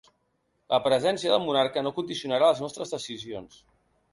La presència del monarca no condicionarà les nostres decisions.